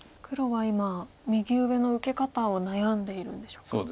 黒は今右上の受け方を悩んでいるんでしょうか。